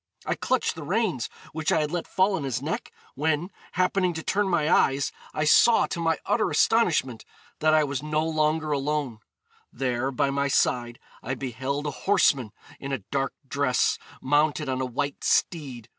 I clutched the reins, which I had let fall on his neck, when, happening to turn my eyes, I saw, to my utter astonishment, that I was no longer alone: there, by my side, I beheld a horseman in a dark dress, mounted on a white steed.